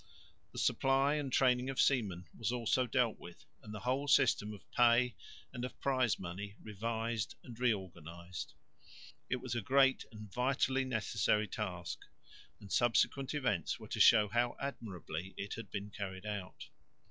The supply and training of seamen was also dealt with, and the whole system of pay and of prize money revised and reorganised. It was a great and vitally necessary task, and subsequent events were to show how admirably it had been carried out.